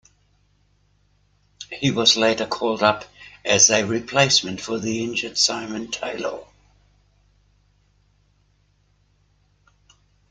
He was later called up as a replacement for the injured Simon Taylor.